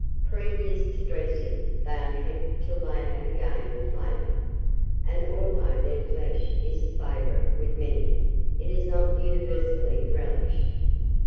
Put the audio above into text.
Previous to dressing, they are kept till they have a game flavour; and although their flesh is a favourite with many, it is not universally relished.